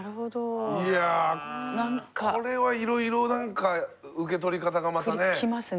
いやこれはいろいろなんか受け取り方がまたね。